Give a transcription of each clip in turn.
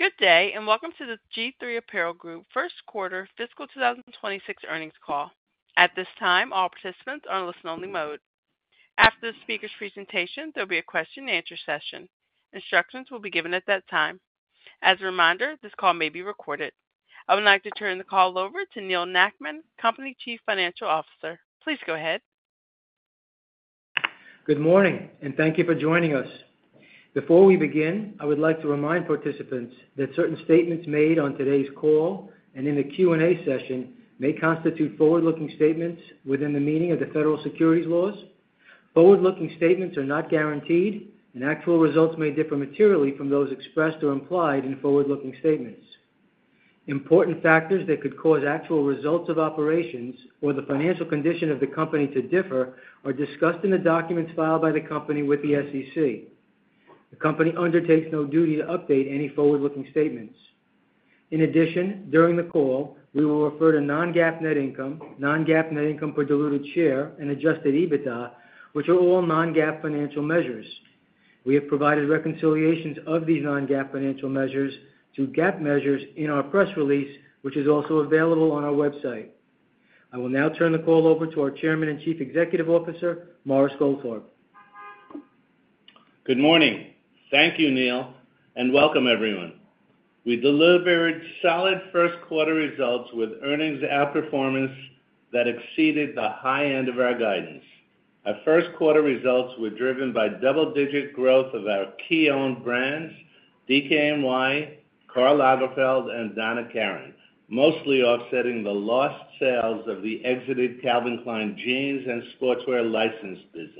Good day and welcome to the G-III Apparel Group first quarter fiscal 2026 earnings call. At this time all participants are in listen only mode. After the speaker's presentation there will be a question and answer session. Instructions will be given at that time. As a reminder, this call may be recorded. I would like to turn the call over to Neal Nackman, company Chief Financial Officer. Please go ahead. Good morning and thank you for joining us. Before we begin, I would like to remind participants that certain statements made on today's call and in the Q&A session may constitute forward-looking statements within the meaning of the federal securities laws. Forward-looking statements are not guaranteed and actual results may differ materially from those expressed or implied in forward-looking statements. Important factors that could cause actual results of operations or the financial condition of the company to differ are discussed in the documents filed by the company with the SEC. The company undertakes no duty to update any forward-looking statements. In addition, during the call we will refer to non-GAAP net income, non-GAAP net income per diluted share, and adjusted EBITDA, which are all non-GAAP financial measures. We have provided reconciliations of these non-GAAP financial measures to GAAP measures in our press release, which is also available on our website. I will now turn the call over to our Chairman and Chief Executive Officer Morris Goldfarb. Good morning. Thank you, Neal, and welcome everyone. We delivered solid first quarter results with earnings outperformance that exceeded the high end of our guidance. Our first quarter results were driven by double-digit growth of our key owned brands DKNY, Karl Lagerfeld, and Donna Karan, mostly offsetting the lost sales of the exited Calvin Klein jeans and sportswear licensed business.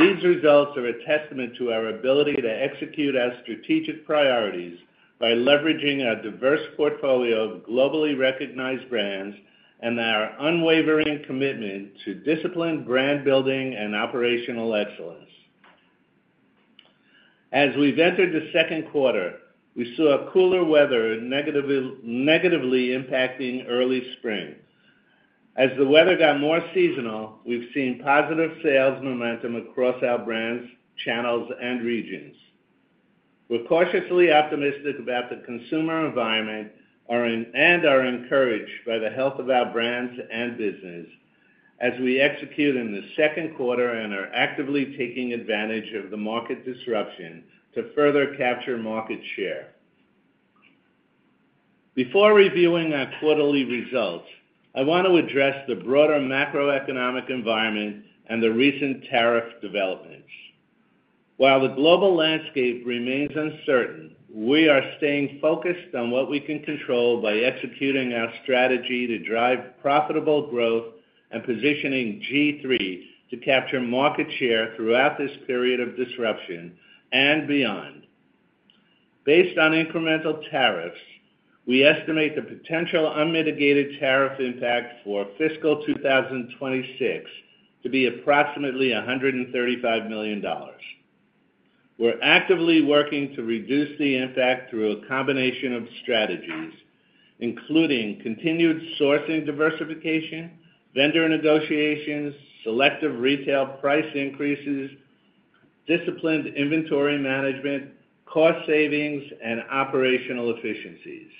These results are a testament to our ability to execute our strategic priorities by leveraging our diverse portfolio of globally recognized brands and our unwavering commitment to disciplined brand building and operational excellence. As we've entered the second quarter, we saw cooler weather negatively impacting early spring. As the weather got more seasonal, we've seen positive sales momentum across our brands, channels, and regions. We're cautiously optimistic about the consumer environment and are encouraged by the health of our brands and business as we execute in the second quarter and are actively taking advantage of the market disruption to further capture market share. Before reviewing our quarterly results, I want to address the broader macroeconomic environment and the recent tariff developments. While the global landscape remains uncertain, we are staying focused on what we can control by executing our strategy to drive prices, profitable growth and positioning G-III to capture market share throughout this period of disruption and beyond. Based on incremental tariffs, we estimate the potential unmitigated tariff impact for fiscal 2026 to be approximately $135 million. We're actively working to reduce the impact through a combination of strategies including continued sourcing diversification, vendor negotiations, selective retail price increases, disciplined inventory management, cost savings and operational efficiencies.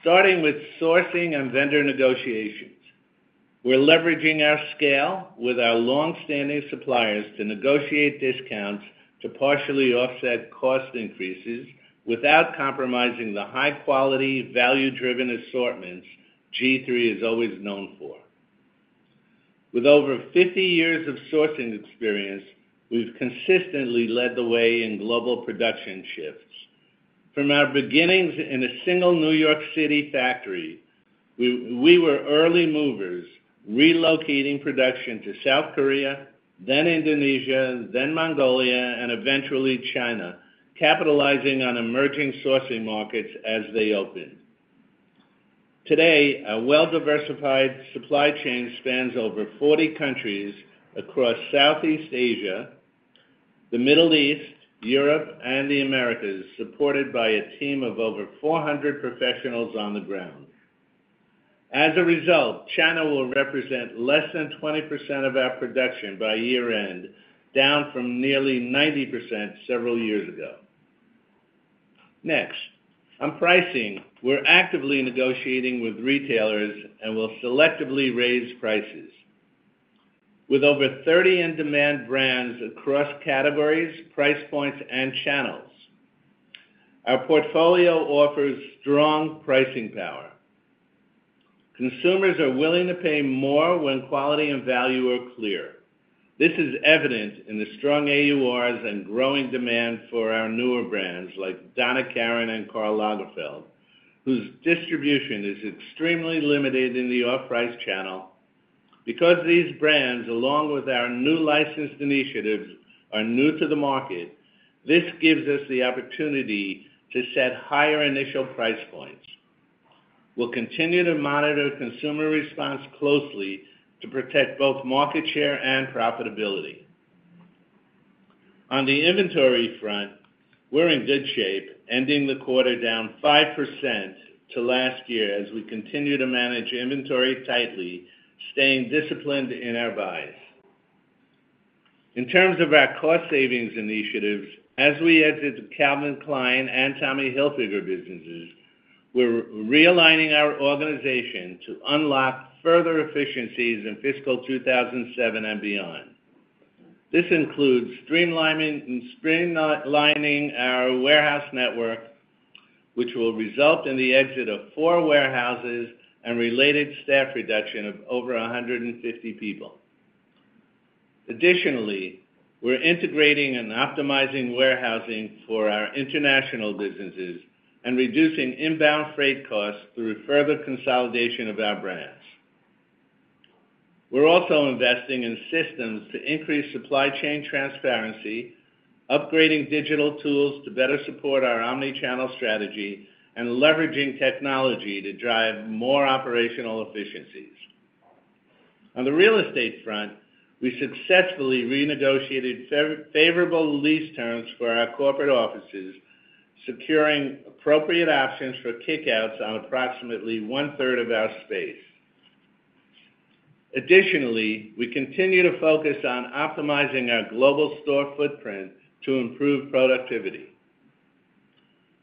Starting with sourcing and vendor negotiations, we're leveraging our scale with our long standing suppliers to negotiate discounts to partially offset cost increases without compromising the high quality value driven assortments G-III is always known for. With over 50 years of sourcing experience, we've consistently led the way in global production shifts. From our beginnings in a single New York City factory, we were early movers, relocating production to South Korea, then Indonesia, then Mongolia and eventually China, capitalizing on emerging sourcing markets as they open. Today, our well diversified supply chain spans over 40 countries across Southeast Asia, the Middle East, Europe and the Americas, supported by a team of over 400 professionals on the ground. As a result, China will represent less than 20% of our production by year end, down from nearly 90% several years ago. Next on pricing, we're actively negotiating with retailers and will selectively raise prices. With over 30 in-demand brands across categories, price points, and channels, our portfolio offers strong pricing power. Consumers are willing to pay more when quality and value are clear. This is evident in the strong AURs and growing demand for our newer brands like Donna Karan and Karl Lagerfeld, whose distribution is extremely limited in the off-price channel. Because these brands, along with our new licensed initiatives, are new to the market, this gives us the opportunity to set higher initial price points. We'll continue to monitor consumer response closely and to protect both market share and profitability. On the inventory front, we're in good shape, ending the quarter down 5% to last year as we continue to manage inventory tightly, staying disciplined in our buys in terms of our cost savings initiatives. As we exit the Calvin Klein and Tommy Hilfiger businesses, we're realigning our organization to unlock further efficiencies in fiscal 2027 and beyond. This includes streamlining our warehouse network, which will result in the exit of four warehouses and related staff reduction of over 150 people. Additionally, we're integrating and optimizing warehousing for our international businesses and reducing inbound freight costs through further consolidation of our brands. We're also investing in systems to increase supply chain transparency, upgrading digital tools to better support our omnichannel strategy, and leveraging technology to drive more operational efficiencies on the real estate front. We successfully renegotiated favorable lease terms for our corporate offices, securing appropriate options for kickouts on approximately one third of our space. Additionally, we continue to focus on optimizing our global store footprint to improve productivity.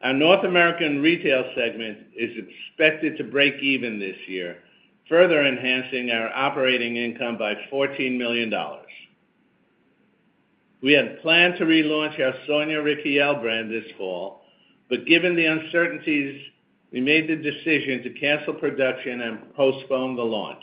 Our North American retail segment is expected to break even this year, further enhancing our operating income by $14 million. We had planned to relaunch our Sonia Rykiel brand this fall, but given the uncertainties, we made the decision to cancel production and postpone the launch.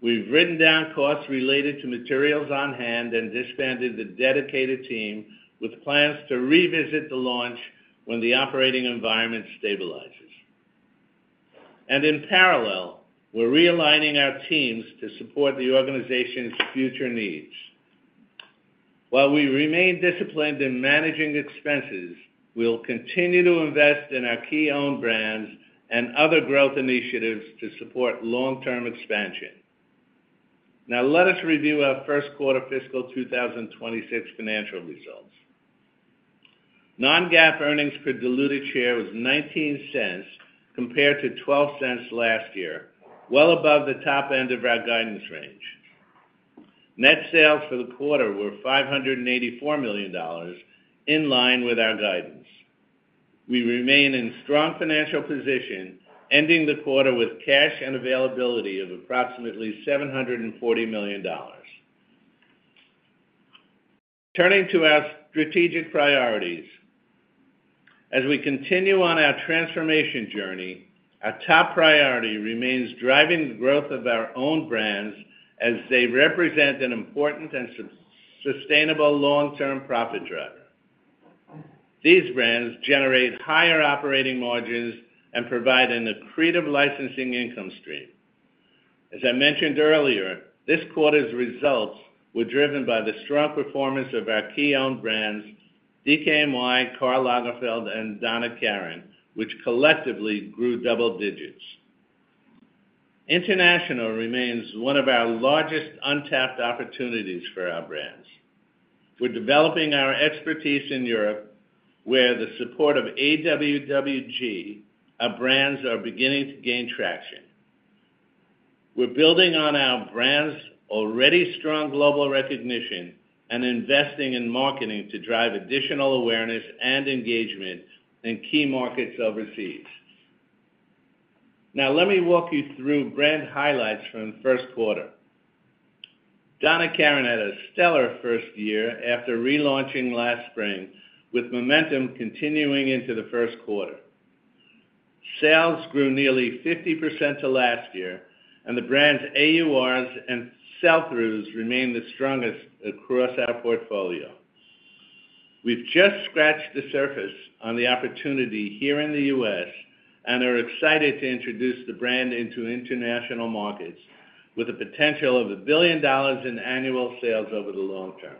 We've written down costs related to materials on hand and disbanded the dedicated team with plans to revisit the launch when the operating environment stabilizes. In parallel, we're realigning our teams to support the organization's future needs. While we remain disciplined in managing expenses, we will continue to invest in our key owned brands and other growth initiatives to support long term expansion. Now let us review our first quarter fiscal 2026 financial results. Non-GAAP earnings per diluted share was $0.19 compared to $0.12 last year, well above the top end of our guidance range. Net sales for the quarter were $584 million. In line with our guidance, we remain in strong financial position, ending the quarter with cash and availability of approximately $740 million. Turning to our strategic priorities as we continue on our transformation journey, our top priority remains driving the growth of our own brands as they represent an important and substantive sustainable long term profit driver. These brands generate higher operating margins and provide an accretive licensing income stream. As I mentioned earlier, this quarter's results were driven by the strong performance of our key owned brands, DKNY, Karl Lagerfeld and Donna Karan, which collectively grew double digits. International remains one of our largest untapped opportunities for our brands. We're developing our expertise in Europe where, with the support of AWWG, our brands are beginning to gain traction. We're building on our brand's already strong global recognition and investing in marketing to drive additional awareness and engagement in key markets overseas. Now let me walk you through brand highlights from the first quarter. Donna Karan had a stellar first year after relaunching last spring with momentum continuing into the first quarter. Sales grew nearly 50% to last year and the brand's AURs and sell-throughs remain the strongest across our portfolio. We've just scratched the surface on the opportunity here in the U.S. and are excited to introduce the brand into international markets with the potential of a billion dollars in annual sales over the long term.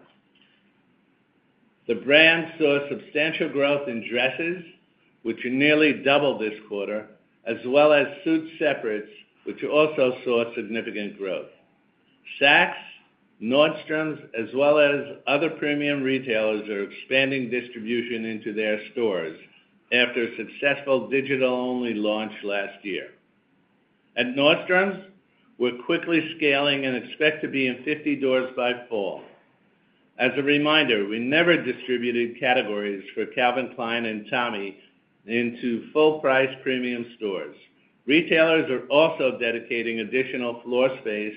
The brand saw substantial growth in dresses which nearly doubled this quarter, as well as suit separates which also saw significant growth. Saks, Nordstrom as well as other premium retailers are expanding distribution into their stores after a successful digital only launch last year. At Nordstrom, we're quickly scaling and expect to be in 50 doors by fall. As a reminder, we never distributed categories for Calvin Klein and Tommy into full price premium stores. Retailers are also dedicating additional floor space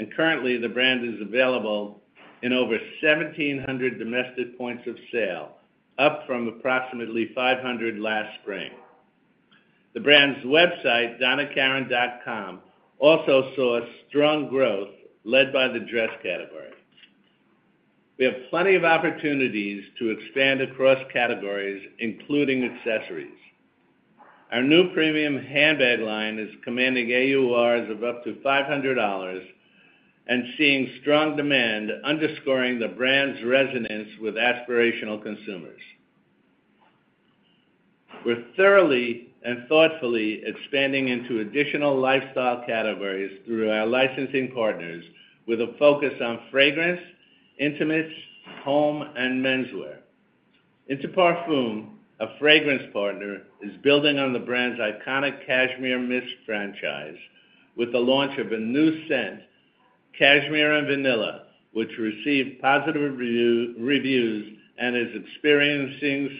and currently the brand is available in over 1,700 domestic points of sale, up from approximately 500 last spring. The brand's website donnakaran.com also saw strong growth led by the dress category. We have plenty of opportunities to expand across categories including accessories. Our new premium handbag line is commanding AURs of up to $500 and seeing strong demand, underscoring the brand's resonance with aspirational consumers. We're thoroughly and thoughtfully expanding into additional lifestyle categories through our licensing partners with a focus on fragrance, intimates, home and menswear. Inter Parfum, a fragrance partner, is building on the brand's iconic Cashmere Mist franchise with the launch of a new scent, Cashmere and Vanilla, which received positive reviews and is experiencing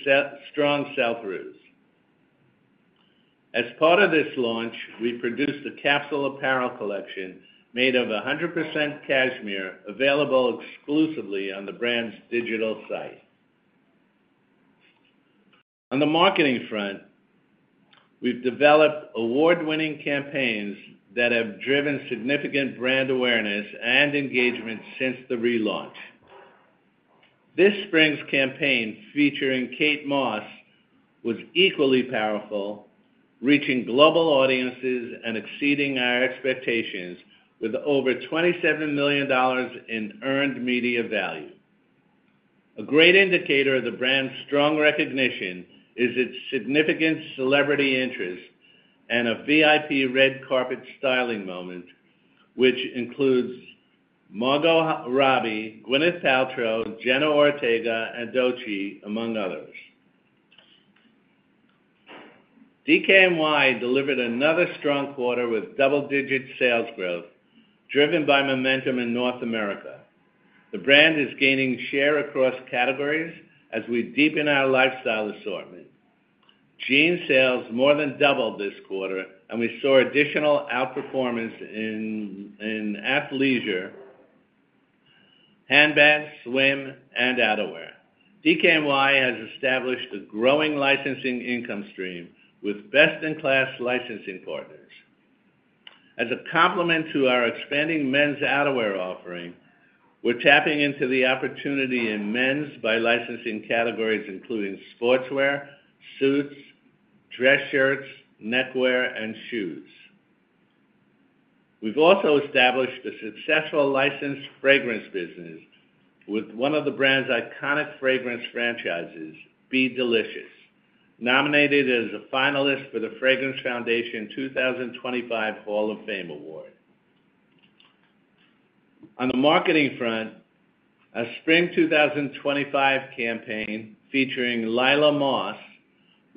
strong sell throughs. As part of this launch, we produced a capsule apparel collection made of 100% cashmere available exclusively on the brand's digital site. On the marketing front, we've developed award winning campaigns that have driven significant brand awareness and engagement since the relaunch. This spring's campaign featuring Kate Moss was equally powerful, reaching global audiences and exceeding our expectations with over $27 million in earned media value. A great indicator of the brand's strong recognition is its significant celebrity interest and a VIP red carpet styling moment which includes Margot Robbie, Gwyneth Paltrow, Jenna Ortega, and Dochi among others. DKNY delivered another strong quarter with double-digit sales growth driven by momentum in North America. The brand is gaining share across categories as we deepen our lifestyle assortment. Jeans sales more than doubled this quarter, and we saw additional outperformance in athleisure, handbags, swim, and outerwear. DKNY has established a growing licensing income stream with best-in-class licensing partners as a complement to our expanding men's outerwear offering. We're tapping into the opportunity in men's by licensing categories including sportswear, suits, dress shirts, neckwear, and shoes. We've also established a successful licensed fragrance business with one of the brand's iconic fragrance franchises, Be Delicious, nominated as a finalist for the Fragrance Foundation 2025 Hall of Fame Award. On the marketing front, a spring 2025 campaign featuring Lila Moss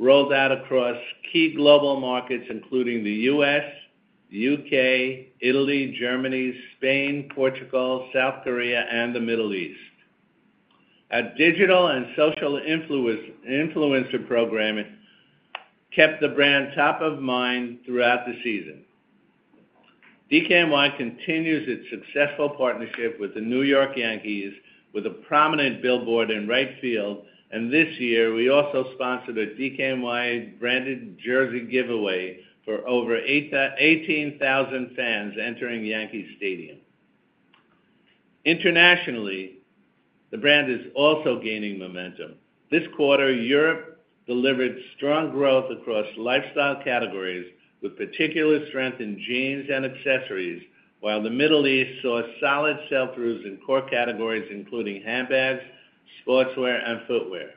rolled out across key global markets including the U.S., U.K., Italy, Germany, Spain, Portugal, South Korea, and the Middle East. Our digital and social influencer program kept the brand top of mind throughout the season. DKNY continues its successful partnership with the New York Yankees with a prominent billboard in right field and this year we also sponsored a DKNY branded jersey giveaway for over 18,000 fans entering Yankee Stadium. Internationally, the brand is also gaining momentum this quarter. Europe delivered strong growth across lifestyle categories with particular strength in jeans and accessories, while the Middle East saw solid sell throughs in core categories including handbags, sportswear and footwear.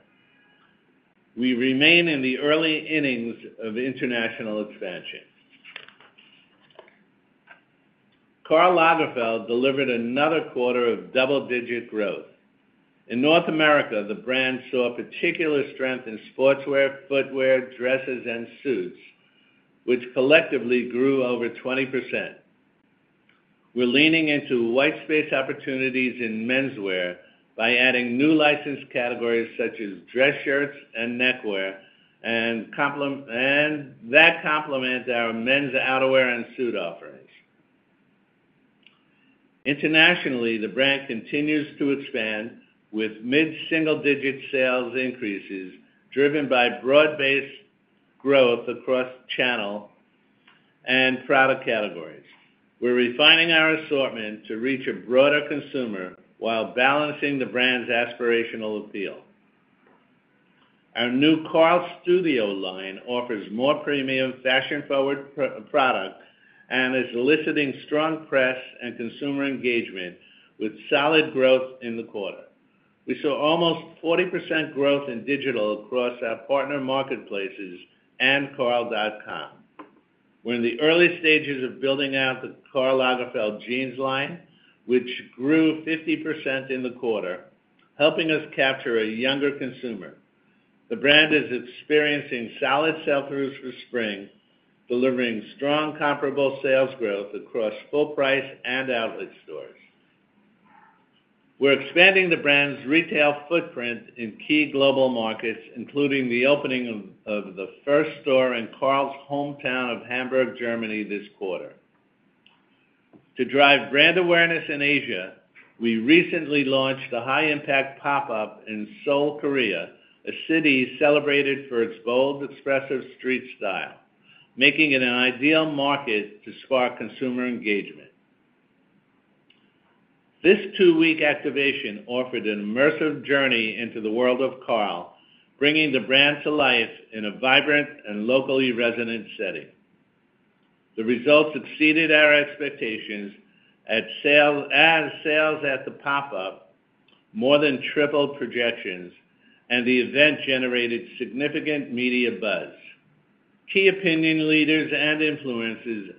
We remain in the early innings of international expansion. Karl Lagerfeld delivered another quarter of double-digit growth in North America. The brand saw particular strength in sportswear, footwear, dresses and suits which collectively grew over 20%. We're leaning into white space opportunities in menswear by adding new licensed categories such as dress shirts and neckwear, and that complements our men's outerwear and suit offerings. Internationally, the brand continues to expand with mid single-digit sales increases driven by broad-based growth across channel and product categories. We're refining our assortment to reach a broader consumer while balancing the brand's aspirational appeal. Our new Karl Studio line offers more premium fashion-forward product and is eliciting strong press and consumer engagement. With solid growth in the quarter, we saw almost 40% growth in digital across our partner marketplaces and karl.com. We're in the early stages of building out the Karl Lagerfeld jeans line, which grew 50% in the quarter, helping us capture a younger consumer. The brand is experiencing solid sell-throughs for spring, delivering strong comparable sales growth across full-price and outlet stores. We're expanding the brand's retail footprint in key global markets including the opening of the first store in Karl's hometown of Hamburg, Germany this quarter. To drive brand awareness in Asia, we recently launched a high impact pop up in Seoul, South Korea, a city celebrated for its bold, expressive street style, making it an ideal market to spark consumer engagement. This two week activation offered an immersive journey into the world of Karl, bringing the brand to life in a vibrant and locally resonant setting. The results exceeded our expectations as sales at the pop up more than tripled projections and the event generated significant media buzz. Key opinion leaders and influencers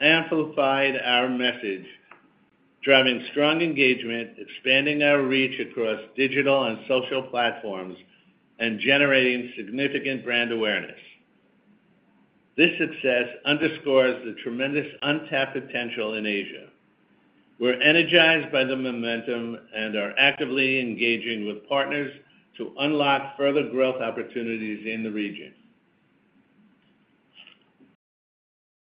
amplified our message, driving strong engagement, expanding our reach across digital and social platforms and generating significant brand awareness. This success underscores the tremendous untapped potential in Asia. We're energized by the momentum and are actively engaging with partners to unlock further growth opportunities in the region.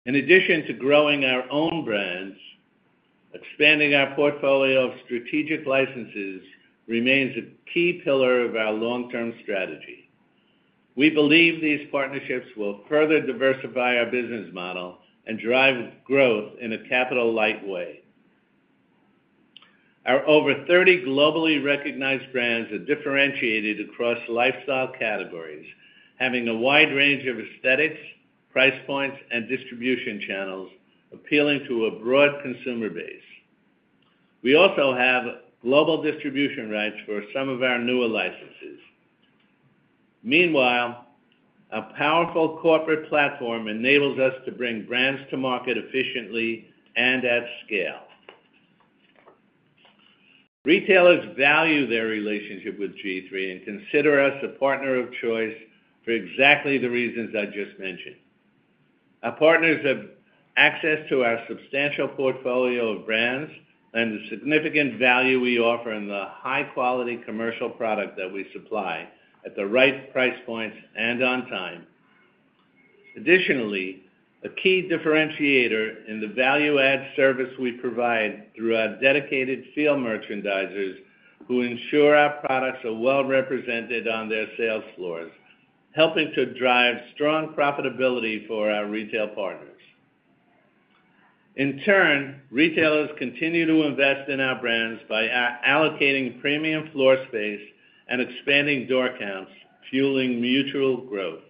In addition to growing our own brands, expanding our portfolio of strategic licenses remains a key pillar of our long term strategy. We believe these partnerships will further diversify our business model and drive growth in a capital light way. Our over 30 globally recognized brands are differentiated across lifestyle categories, having a wide range of aesthetics, price points, and distribution channels appealing to a broad consumer base. We also have global distribution rights for some of our newer licenses. Meanwhile, a powerful corporate platform enables us to bring brands to market efficiently and at scale. Retailers value their relationship with G-III and consider us a partner of choice for exactly the reasons I just mentioned. Our partners have access to our substantial portfolio of brands and the significant value we offer in the high quality commercial product that we supply at the right price points and on time. Additionally, a key differentiator is the value add service we provide through our dedicated field merchandisers who ensure our products are well represented on their sales floors, helping to drive strong profitability for our retail partners. In turn, retailers continue to invest in our brands by allocating premium floor space and expanding door counts, fueling mutual growth.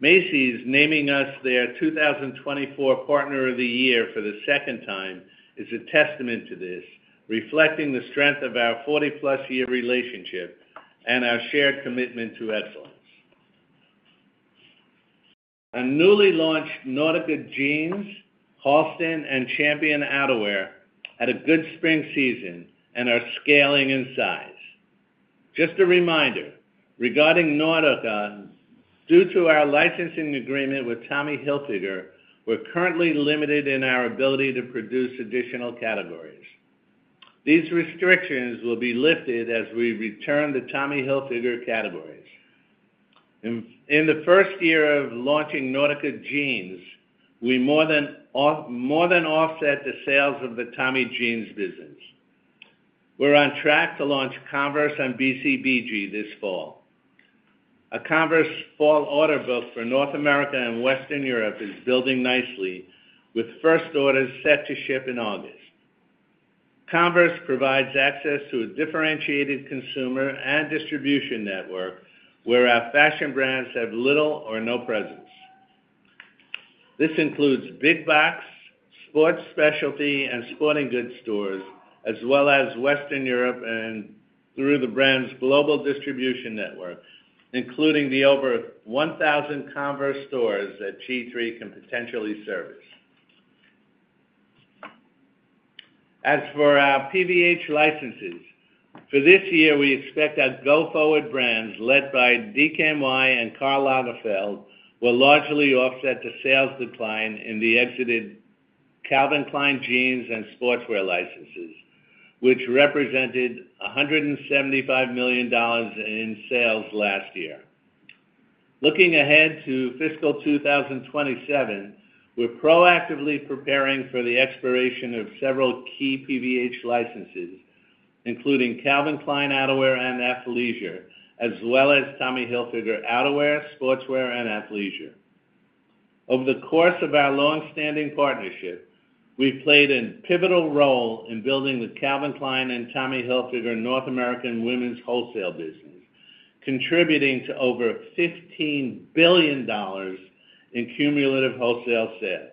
Macy's naming us their 2024 Partner of the Year for the second time is a testament to this, reflecting the strength of our 40+ year relationship and our shared commitment to excellence. A newly launched Nautica Jeans, Halston, and Champion Outerwear had a good spring season and are scaling in size. Just a reminder regarding Nautica. Due to our licensing agreement with Tommy Hilfiger, we're currently limited in our ability to produce additional categories. These restrictions will be lifted as we return the Tommy Hilfiger categories. In the first year of launching Nautica jeans, we more than offset the sales of the Tommy jeans business. We're on track to launch Converse on BCBG this fall. A Converse fall order book for North America and Western Europe is building nicely with first orders set to ship in August. Converse provides access to a differentiated consumer and distribution network where our fashion brands have little or no presence. This includes big box sports, specialty and sporting goods stores as well as Western Europe and through the brand's global distribution network, including the over 1,000 Converse stores that G-III can potentially service. As for our PVH licenses for this year, we expect our go forward brands led by DKNY and Karl Lagerfeld were largely offset to sales decline in the exited Calvin Klein jeans and sportswear licenses which represented $175 million in sales last year. Looking ahead to fiscal 2027, we're proactively preparing for the expiration of several key PVH licenses including Calvin Klein, Outerwear and Athleisure as well as Tommy Hilfiger Outerwear, Sportswear and Athleisure. Over the course of our long standing partnership, we played a pivotal role in building the Calvin Klein and Tommy Hilfiger North American Women's wholesale business, contributing to over $15 billion in cumulative wholesale sales.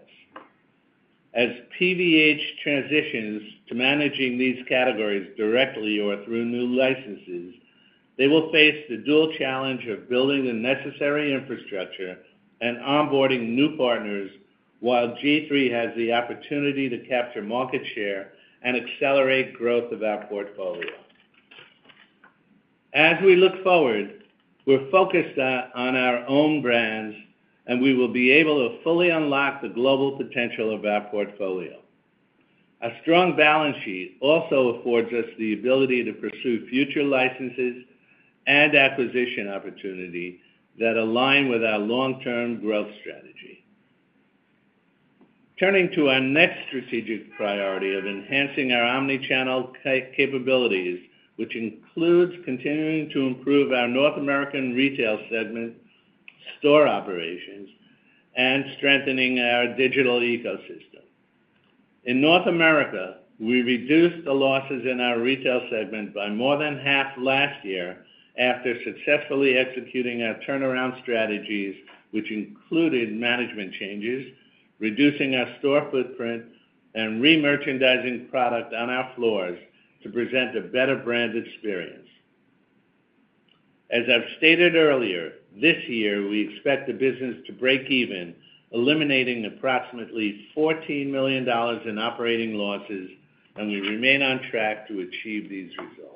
As PVH transitions to managing these categories directly or through new licenses, they will face the dual challenge of building the necessary infrastructure and onboarding new partners. While G-III has the opportunity to capture market share and accelerate growth of our portfolio as we look forward, we're focused on our own brands and we will be able to fully unlock the global potential of our portfolio. A strong balance sheet also affords us the ability to pursue future licenses and acquisition opportunity that align with our long term growth strategy. Turning to our next strategic priority of enhancing our omnichannel capabilities, which includes continuing to improve our North American retail segment, store operations, and strengthening our digital ecosystem in North America, we reduced the losses in our retail segment by more than half last year after successfully executing our turnaround strategies, which included management changes, reducing our store footprint, and remerchandising product on our floors to present a better brand experience. As I've stated earlier, this year, we expect the business to break even, eliminating approximately $14 million in operating losses and we remain on track to achieve these results.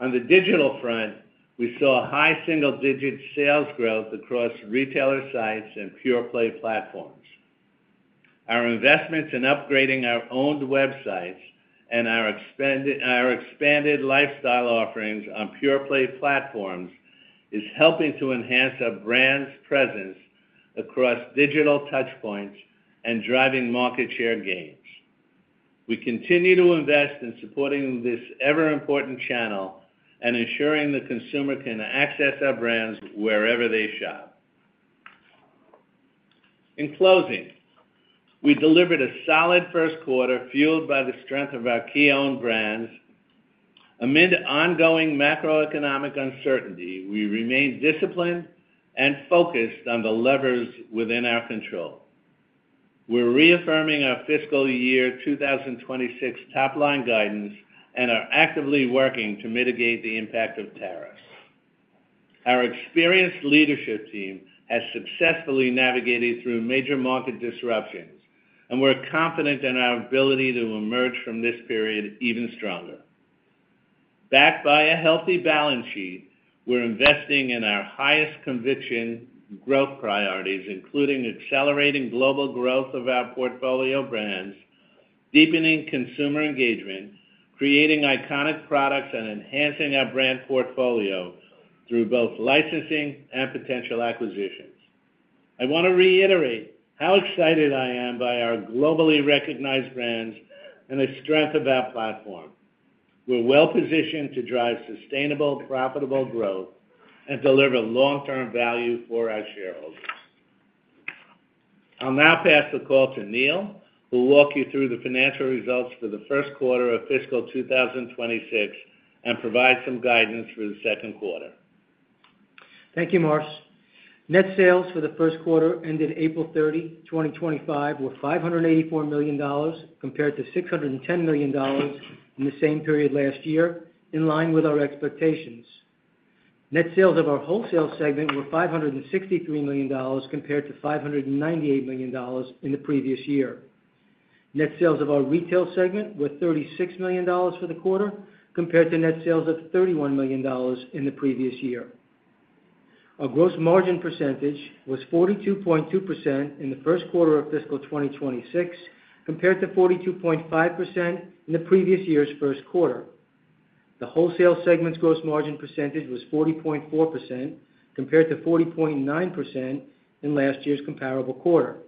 On the digital front, we saw high single-digit sales growth across retailer sites and Pure Play platforms. Our investments in upgrading our owned websites and our expanded lifestyle offerings on Pure Play platforms is helping to enhance our brand's presence across digital touchpoints and driving market share gains. We continue to invest in supporting this ever-important channel and ensuring the consumer can access our brands wherever they shop. In closing, we delivered a solid first quarter fueled by the strength of our key owned brands. Amid ongoing macroeconomic uncertainty, we remained disciplined and focused on the levers within our control. We're reaffirming our fiscal year 2026 top line guidance and are actively working to mitigate the impact of tariffs. Our experienced leadership team has successfully navigated through major market disruptions and we're confident in our ability to emerge from this period even stronger. Backed by a healthy balance sheet, we're investing in our highest conviction growth priorities including accelerating global growth of our portfolio brands, deepening consumer engagement, creating iconic products, and enhancing our brand portfolio through both licensing and potential acquisitions. I want to reiterate how excited I am by our globally recognized brands and the strength of our platform. We're well positioned to drive sustainable, profitable growth and deliver long term value for our shareholders. I'll now pass the call to Neal, who will walk you through the financial results for the first quarter of fiscal 2026 and provide some guidance for the second quarter. Thank you, Morris. Net sales for the first quarter ended April 30, 2025 were $584 million compared to $610 million in the same period last year. In line with our expectations, net sales of our wholesale segment were $563 million compared to $598 million in the previous year. Net sales of our retail segment were $36 million for the quarter compared to net sales of $31 million in the previous year. Our gross margin percentage was 42.2% in the first quarter of fiscal 2026 compared to 42.5% in the previous year's first quarter. The wholesale segment's gross margin percentage was 40.4% compared to 40.9% in last year's comparable quarter.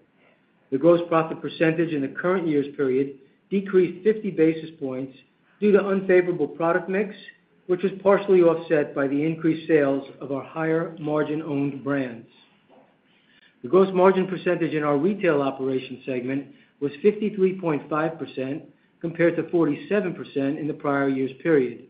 The gross profit percentage in the current year's period decreased 50 basis points due to unfavorable product mix, which was partially offset by the increased sales of our higher margin owned brands. The gross margin percentage in our retail operations segment was 53.5% compared to 47% in the prior year's period.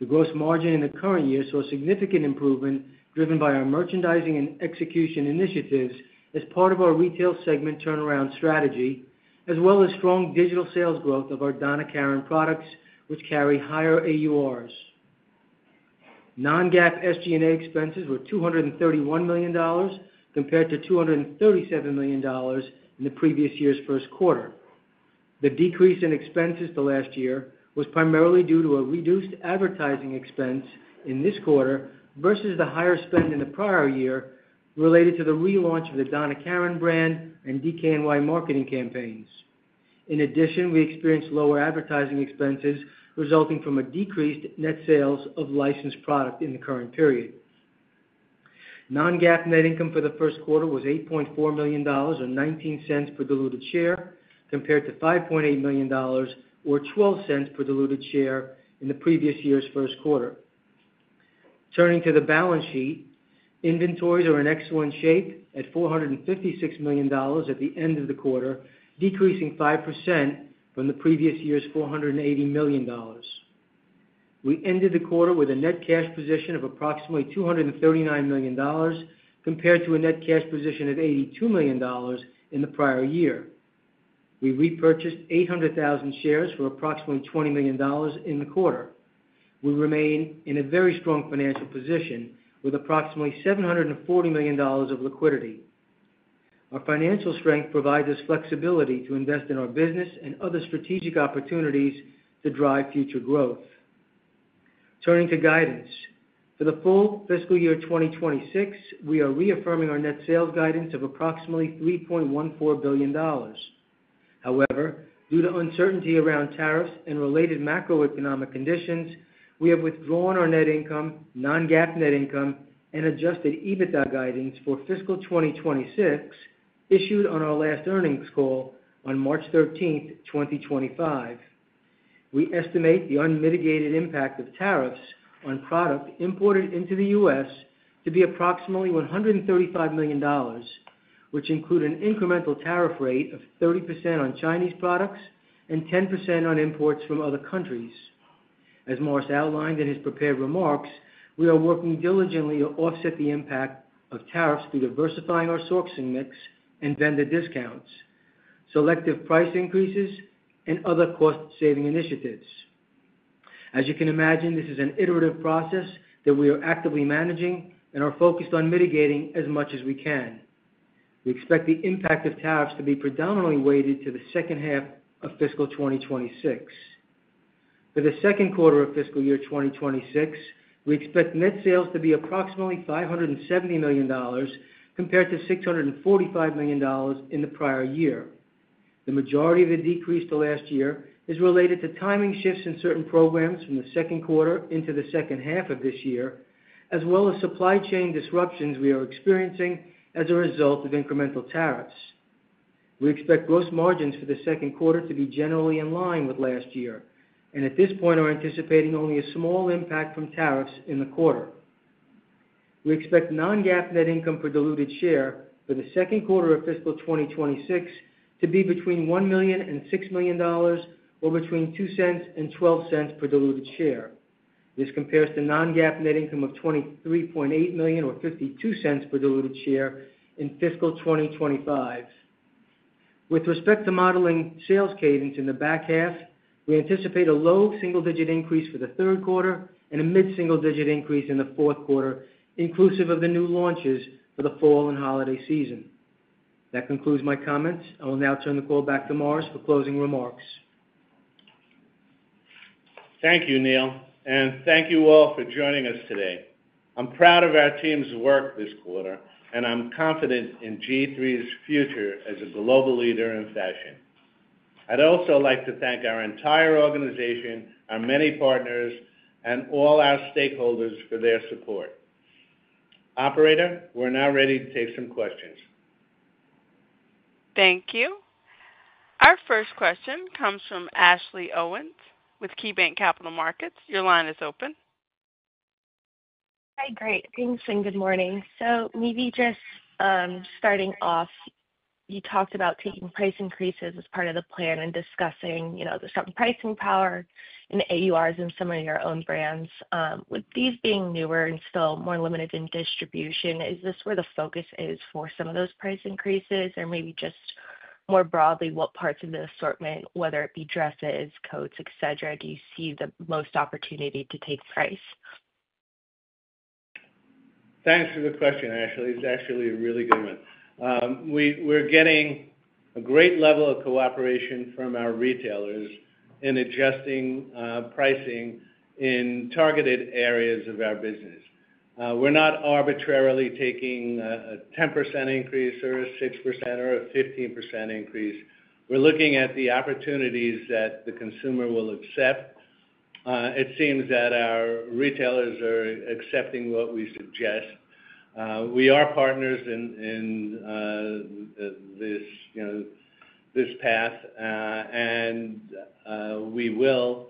The gross margin in the current year saw significant improvement driven by our merchandising and execution initiatives as part of our retail segment turnaround strategy as well as strong digital sales growth of our Donna Karan products which carry higher AURs. Non-GAAP SG&A expenses were $231 million compared to $237 million in the previous year's first quarter. The decrease in expenses to last year was primarily due to a reduced advertising expense in this quarter versus the higher spend in the prior year related to the relaunch of the Donna Karan brand and DKNY marketing campaigns. In addition, we experienced lower advertising expenses resulting from a decreased net sales of licensed product in the current period. Non-GAAP net income for the first quarter was $8.4 million or $0.19 per diluted share compared to $5.8 million or $0.12 per diluted share in the previous year's first quarter. Turning to the balance sheet, inventories are in excellent shape at $456 million at the end of the quarter, decreasing 5% from the previous year's $480 million. We ended the quarter with a net cash position of approximately $239 million compared to a net cash position of $82 million in the prior year. We repurchased 800,000 shares for approximately $20 million in the quarter. We remain in a very strong financial position with approximately $740 million of liquidity. Our financial strength provides us flexibility to invest in our business and other strategic opportunities to drive future growth. Turning to guidance for the full fiscal year 2026, we are reaffirming our net sales guidance of approximately $3.14 billion. However, due to uncertainty around tariffs and related macroeconomic conditions, we have withdrawn our net income, non-GAAP net income, and adjusted EBITDA guidance for fiscal 2026 issued on our last earnings call on March 13, 2025. We estimate the unmitigated impact of tariffs on product imported into the U.S. to be approximately $135 million, which include an incremental tariff rate of 30% on Chinese products and 10% on imports from other countries. As Morris outlined in his prepared remarks, we are working diligently to offset the impact of tariffs through diversifying our sourcing mix and vendor discounts, selective price increases, and other cost saving initiatives. As you can imagine, this is an iterative process that we are actively managing and are focused on mitigating as much as we can. We expect the impact of tariffs to be predominantly weighted to the second half of fiscal 2026. For the second quarter of fiscal year 2026, we expect net sales to be approximately $570 million compared to $645 million in the prior year. The majority of the decrease to last year is related to timing shifts in certain programs from the second quarter into the second half of this year, as well as supply chain disruptions we are experiencing as a result of incremental tariffs. We expect gross margins for the second quarter to be generally in line with last year and at this point are anticipating only a small impact from tariffs in the quarter. We expect non-GAAP net income per diluted share for the second quarter of fiscal 2026 to be between $1 million and $6 million, or between $0.02 and $0.12 per diluted share. This compares to non-GAAP net income of $23.8 million or $0.52 per diluted share in fiscal 2025. With respect to modeling sales cadence in the back half, we anticipate a low single digit increase for the third quarter and a mid single digit increase in the fourth quarter inclusive of the new launches for the fall and holiday season. That concludes my comments. I will now turn the call back to Morris for closing remarks. Thank you, Neal, and thank you all for joining us today. I'm proud of our team's work this quarter, and I'm confident in G-III's future as a global leader in fashion. I'd also like to thank our entire organization, our many partners, and all our stakeholders for their support. Operator, we're now ready to take some questions. Thank you. Our first question comes from Ashley Owens with KeyBanc Capital Markets. Your line is open. Hi. Great. Thanks and good morning. Maybe just starting off, you talked about taking price increases as part of the plan and discussing the strong pricing power and AURs in some of your own brands. With these being newer and still more limited in distribution, is this where the focus is for some of those price increases or maybe just more broadly, what parts of the assortment, whether it be dresses, coats, etc., do you see the most opportunity to take price? Thanks for the question, Ashley. It's actually a really good one. We're getting a great level of cooperation from our retailers in adjusting pricing in targeted areas of our business. We're not arbitrarily taking a 10% increase or a 6% or a 15% increase. We're looking at the opportunities that the consumer will accept. It seems that our retailers are accepting what we suggest. We are partners in this path and we will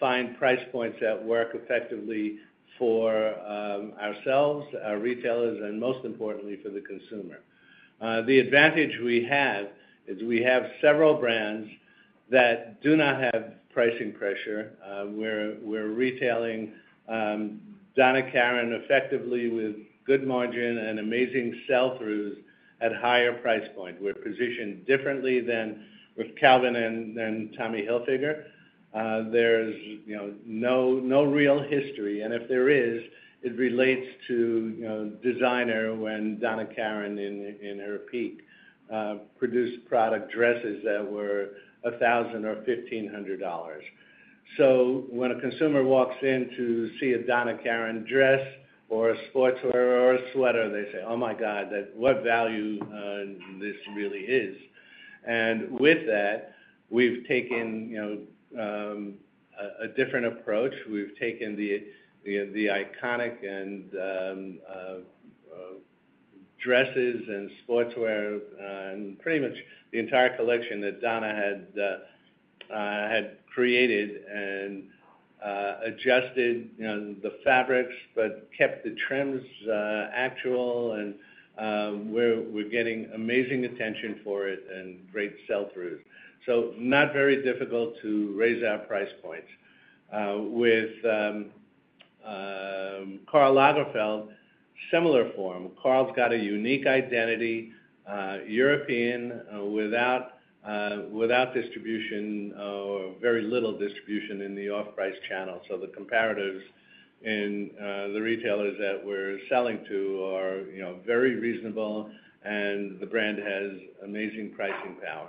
find price points that work effectively for ourselves, our retailers, and most importantly for the consumer. The advantage we have is we have several brands that do not have pricing pressure. We're retailing Donna Karan effectively with good margin and amazing sell throughs at higher price point. We're positioned differently than with Calvin and Tommy Hilfiger. There's no real history and if there is, it relates to designer. When Donna Karan in her piece produced product dresses that were $1,000 or $1,500. When a consumer walks in to see a Donna Karan dress or a sportswear or a sweater, they say, oh my God, what value this really is. With that we have taken a different approach. We have taken the iconic and dresses and sportswear and pretty much the entire collection that Donna had created and adjusted the fabrics but kept the trims actual. We are getting amazing attention for it and great sell throughs. Not very difficult to raise our price points. With Karl Lagerfeld similar form. Karl's got a unique identity, European, without distribution or very little distribution in the off price channel. The comparatives in the retailers that we are selling to are very reasonable and the brand has amazing pricing power.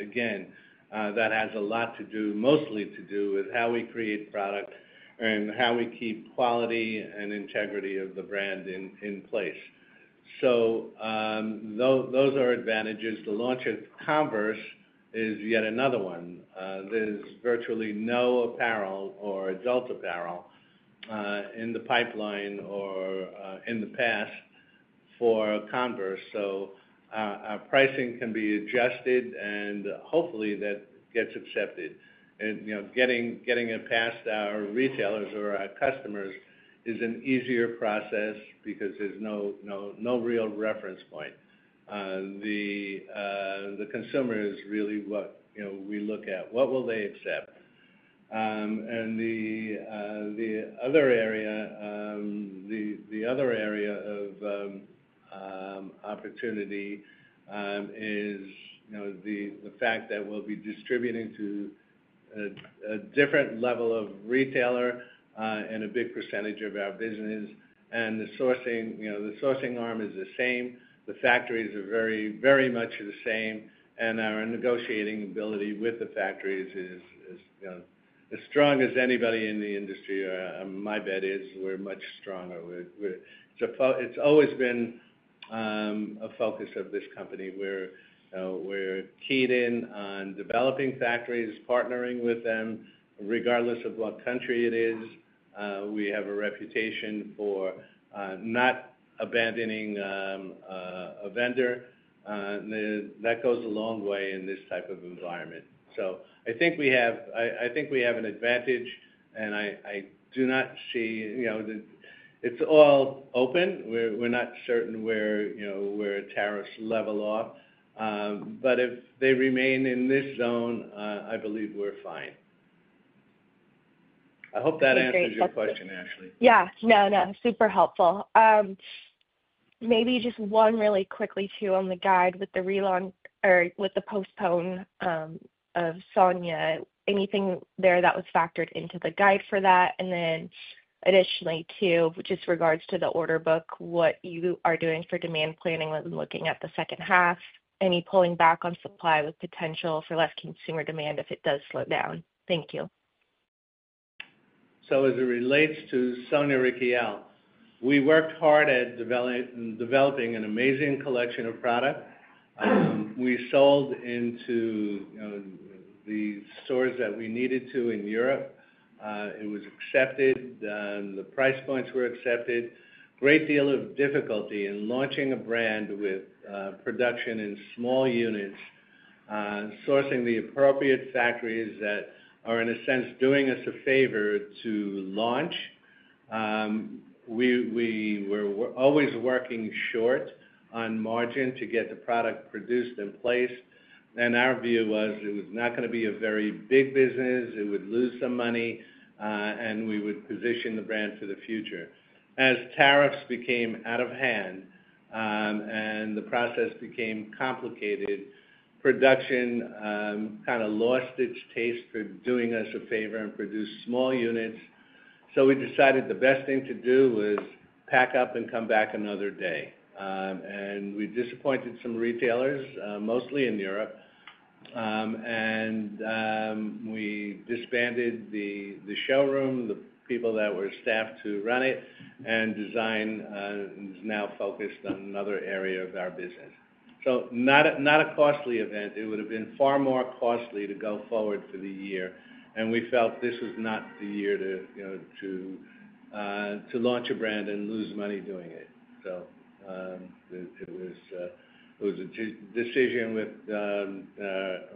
Again, that has a lot to do, mostly to do with how we create product and how we keep quality and integrity of the brand in place. Those are advantages. The launch of Converse is yet another one. There is virtually no apparel or adult apparel in the pipeline or in the past for Converse. Our pricing can be adjusted and hopefully that gets accepted. Getting it past our retailers or our customers is an easier process because there is no real reference point. The consumer is really what we look at. What will they accept? The other area, the other area of opportunity is the fact that we will be distributing to a different level of retailer and a big percentage of our business. The sourcing arm is the same. The factories are very, very much the same. Our negotiating ability with the factories is as strong as anybody in the industry. My bet is we're much stronger. It's always been a focus of this company. We're keyed in on developing factories, partnering with them, regardless of what country it is. We have a reputation for not abandoning a vendor. That goes a long way in this type of environment. I think we have, I think we have an advantage. I do not see, you know, it's all open. We're not certain where, you know, where tariffs level off, but if they remain in this zone, I believe we're fine. I hope that answers your question, Ashley. Yeah, no, no, super helpful. Maybe just one really quickly too, on the guide with the relaunch or with the postpone, anything there that was factored into the guide for that? Additionally, too, just regards to the order book, what you are doing for demand planning when looking at the second half, any pulling back on supply with potential for less consumer demand if it does slow down. Thank you. As it relates to Sonia Rykiel, we worked hard at developing an amazing collection of products we sold into the stores that we needed to in Europe. It was accepted, the price points were accepted. Great deal of difficulty in launching a brand with production in small units, sourcing the appropriate factories that are in a sense doing us a favor to launch. We were always working short on margin to get the product produced in place. Our view was it was not going to be a very big business. It would lose some money and we would position the brand for the future. As tariffs became out of hand and the process became complicated, production kind of lost its taste for doing us a favor and produced small units. We decided the best thing to do was pack up and come back another day. We disappointed some retailers, mostly in Europe, and we disbanded the showroom. The people that were staffed to run it and design is now focused on another area of our business. Not a costly event. It would have been far more costly to go forward for the year. We felt this is not the year to launch a brand and lose money doing it. It was a decision with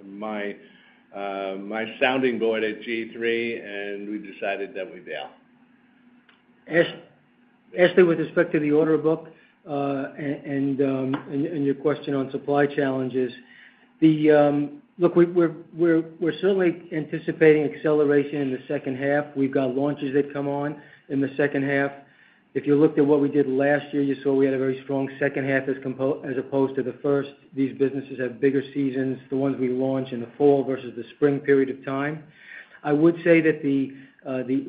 my sounding board at G-III, and we decided that we bail. Ashley, with respect to the order book and your question on supply challenges, look, we're certainly anticipating acceleration in the second half. We've got launches that come on in the second half. If you looked at what we did last year, you saw we had a very strong second half as opposed to the first. These businesses have bigger seasons, the ones we launch in the fall versus the spring period of time. I would say that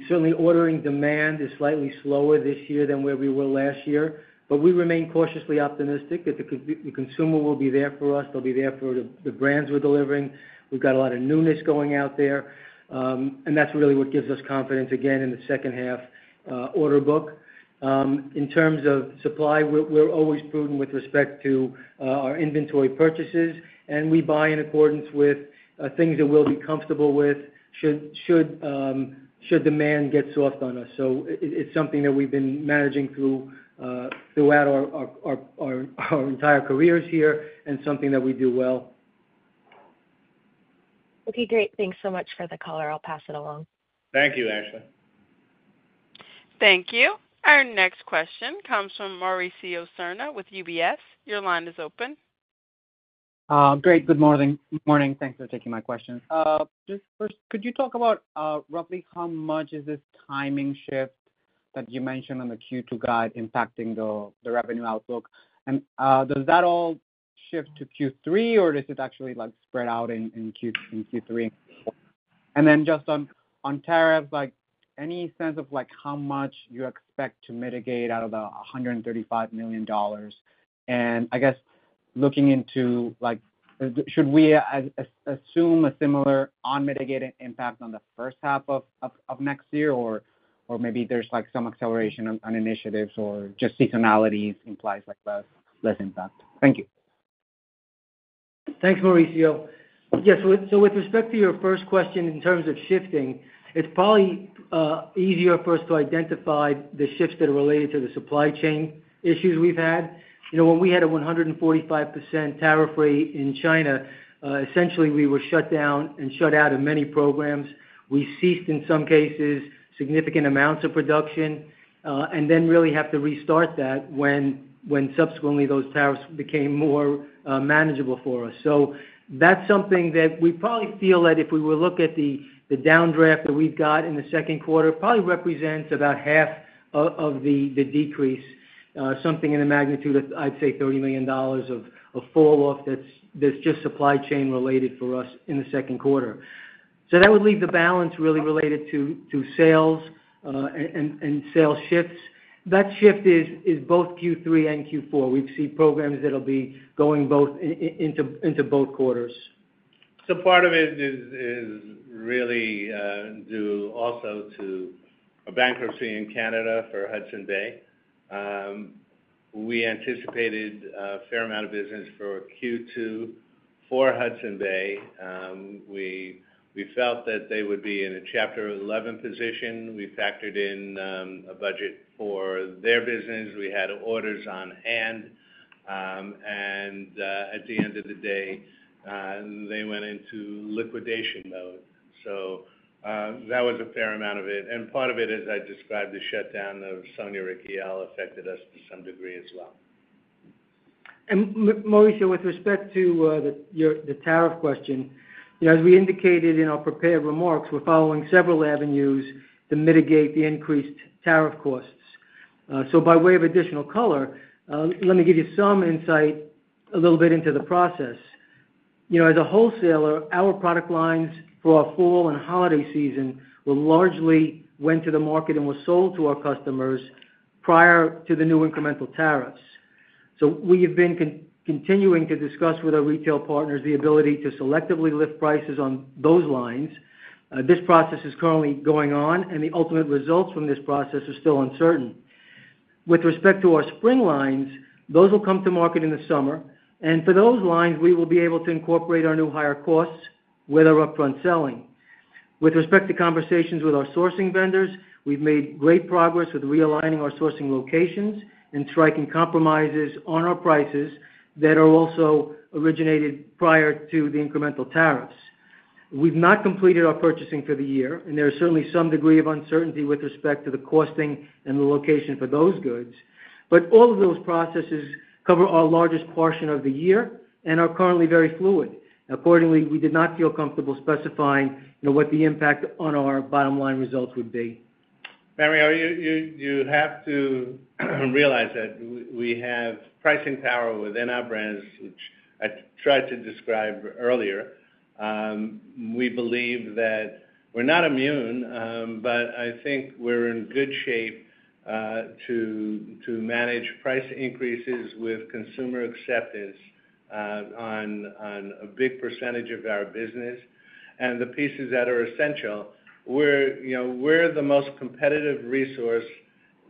certainly ordering demand is slightly slower this year than where we were last year. We remain cautiously optimistic that the consumer will be there for us. They'll be there for the brands we're delivering. We've got a lot of newness going out there and that's really what gives us confidence again in the second half order book in terms of supply. We're always prudent with respect to our inventory purchases and we buy in accordance with things that we'll be comfortable with should demand get soft on us. It's something that we've been managing through our entire careers here and something that we do well. Okay, great. Thanks so much for the color. I'll pass it along. Thank you, Ashley. Thank you. Our next question comes from Mauricio Serna with UBS. Your line is open. Great. Good morning. Thanks for taking my questions. First, could you talk about roughly how much is this timing shift that you mentioned on the Q2 guide impacting the revenue outlook? Does that all shift to Q3 or is it actually spread out in Q3? Just on tariffs, any sense of how much you expect to mitigate out of the $135 million? I guess looking into, should we assume a similar unmitigated impact on the first half of next year or maybe there is some acceleration on initiatives or just seasonalities implies less impact. Thank you. Thanks, Mauricio. Yes. With respect to your first question, in terms of shifting, it's probably easier for us to identify the shifts that are related to the supply chain issues we've had. You know, when we had a 145% tariff rate in China, essentially we were shut down and shut out of many programs. We ceased in some cases significant amounts of production and then really have to restart that when subsequently those tariffs became more manageable for us. That's something that we probably feel that if we look at the downdraft that we've got in the second quarter, probably represents about half of the decrease, something in the magnitude of, I'd say $30 million of a fall off. That's just supply chain related for us in the second quarter. That would leave the balance really related to sales and sales shifts. That shift is both Q3 and Q4. We see programs that will be going into both quarters. Part of it is really due also to a bankruptcy in Canada. For Hudson's Bay, we anticipated a fair amount of business. For Q2 for Hudson's Bay, we felt that they would be in a Chapter 11 position. We factored in a budget for their business, we had orders on hand and at the end of the day they went into liquidation mode. That was a fair amount of it and part of it. As I described, the shutdown of Sonia Rykiel affected us to some degree as well. Mauricio, with respect to the tariff question, as we indicated in our prepared remarks, we're following several avenues to mitigate the increased tariff costs. By way of additional color, let me give you some insight a little bit into the process. You know, as a wholesaler, our product lines for our fall and holiday season largely went to the market and were sold to our customers prior to the new incremental tariffs. We have been continuing to discuss with our retail partners the ability to selectively lift prices on those lines. This process is currently going on and the ultimate results from this process are still uncertain. With respect to our spring lines, those will come to market in the summer. For those lines, we will be able to incorporate our new higher costs with our upfront selling. With respect to conversations with our sourcing vendors, we've made great progress with realigning our sourcing locations and striking compromises on our prices that are also originated prior to the incremental tariffs. We've not completed our purchasing for the year and there is certainly some degree of uncertainty with respect to the costing and the location for those goods. All of those processes cover our largest portion of the year and are currently very fluid. Accordingly, we did not feel comfortable specifying what the impact on our bottom line results would be. Mauricio, you have to realize that we have pricing power within our brands, which I tried to describe earlier. We believe that we're not immune, but I think we're in good shape to manage price increases with consumer acceptance on a big percentage of our business and the pieces that are essential. We're the most competitive resource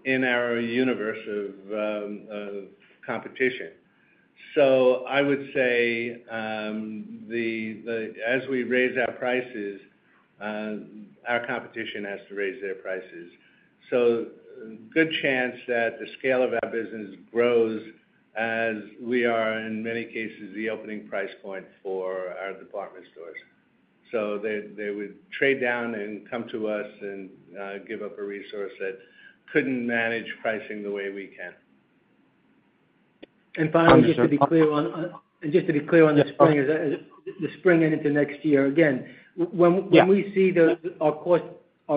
in our universe of competition. I would say as we raise our prices, our competition has to raise their prices. Good chance that the scale of our business grows, grows as we are in many cases the opening price point for our department stores. They would trade down and come to us and give up a resource that couldn't manage pricing the way we can. Finally, just to be clear, on the spring and into next year, again, when we see our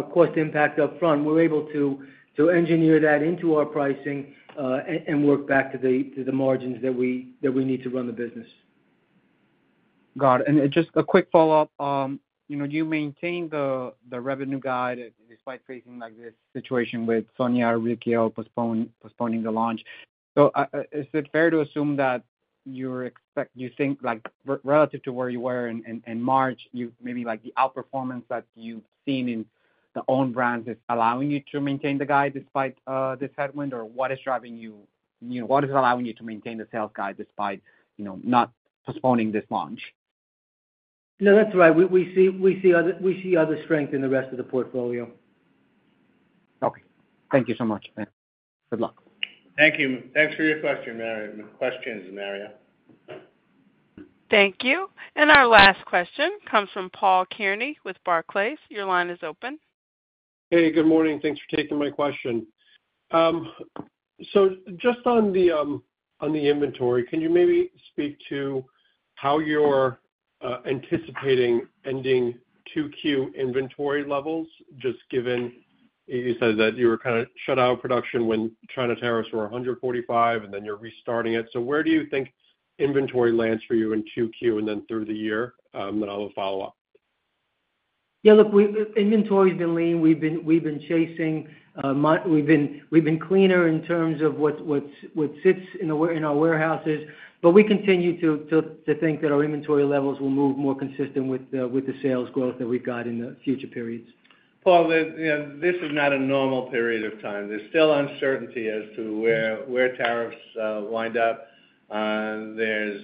cost impact up front, we're able to engineer that into our pricing and work back to the margins that we need to run the business. Got it. And just a quick follow-up. You know, you maintain the revenue guide despite facing this situation with Sonia Rykiel postponing the launch. Is it fair to assume that you expect, you think like relative to where you were in March, maybe the outperformance that you've seen in the own brands is allowing you to maintain the guide despite this headwind, or what is driving you? What is allowing you to maintain the sales guide despite postponing this launch? No, that's right. We see other strength in the rest of the portfolio. Okay, thank you so much. Good luck. Thank you. Thanks for your questions, Mauricio. Thank you. Our last question comes from Paul Kearney with Barclays. Your line is open. Hey, good morning. Thanks for taking my question. Just on the inventory, can you maybe speak to how you're anticipating ending 2Q inventory levels? Just given you said that you were kind of shut out production when China tariffs were 145 and then you're restarting it. Where do you think inventory lands for you in 2Q and then through the year? I'll follow up. Yeah, look, inventory has been lean. We've been chasing, we've been cleaner in terms of what sits in our warehouses. We continue to think that our inventory levels will move more consistent with the sales growth that we've got in the future periods. Paul, this is not a normal period of time. There's still uncertainty as to where tariffs wind up. There's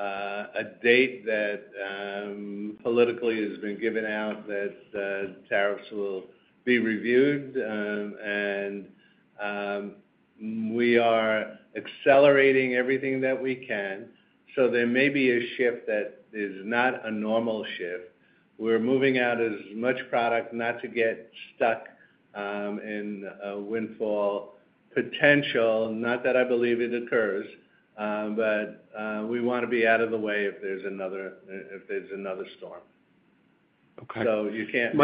a date that politically has been given out that tariffs will be reviewed. And. We are accelerating everything that we can. There may be a shift that is not a normal shift. We're moving out as much product not to get stuck and windfall potential, not that I believe it occurs, but we want to be out of the way if there's another, if there's another storm. You can't.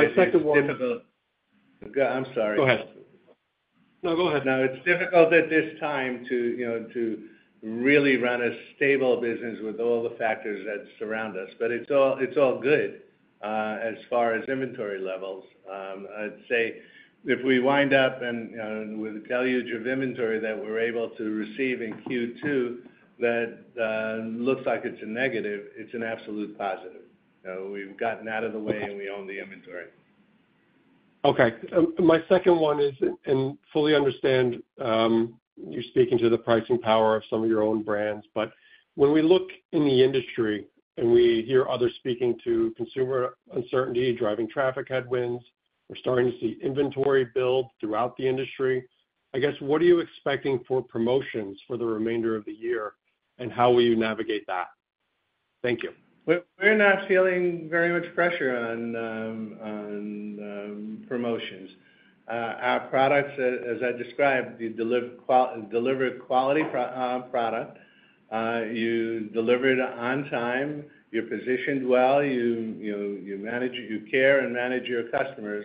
I'm sorry, go ahead. No, go ahead. It's difficult at this time to, you know, to really run a stable business with all the factors that surround us. It's all good. As far as inventory levels, I'd say if we wind up with a deluge of inventory that we're able to receive in Q2, that looks like it's a negative, it's an absolute positive. We've gotten out of the way, and we own the inventory. Okay, my second one is. I fully understand, you're speaking to the pricing power of some of your own brands. When we look in the industry and we hear others speaking to consumer uncertainty, driving traffic headwinds, we're starting to see inventory build throughout the industry, I guess. What are you expecting for promotions for the remainder of the year, and how will you navigate that? Thank you. We're not feeling very much pressure on promotions. Our products, as I described, deliver quality product. You deliver it on time, you're positioned well, you care and manage your customers.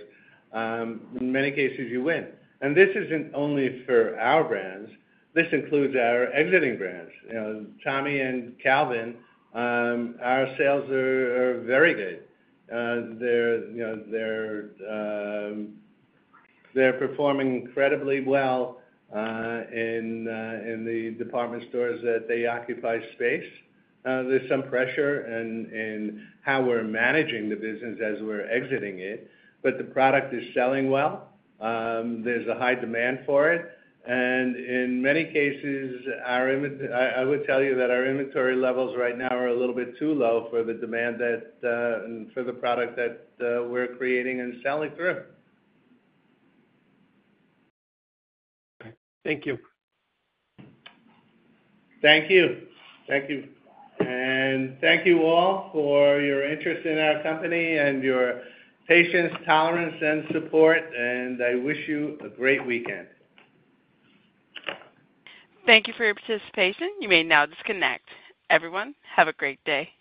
In many cases, you win. This isn't only for our brands. This includes our exiting brands, Tommy and Calvin. Our sales are very good. They're performing incredibly well in the department stores that they occupy space. There's some pressure in how we're managing the business as we're exiting it, but the product is selling well. is a high demand for it. In many cases, I would tell you that our inventory levels right now are a little bit too low for the demand for the product that we are creating and selling through. Thank you. Thank you. Thank you. Thank you all for your interest in our company and your patience, tolerance, and support. I wish you a great weekend. Thank you for your participation. You may now disconnect, everyone. Have a great day.